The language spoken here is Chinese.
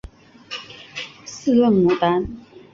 四棱牡丹